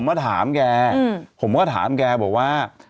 มาถามแกผมก็ถามแกบอกว่า